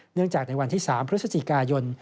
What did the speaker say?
เนื่องจากในวันที่๓พฤศจิกายน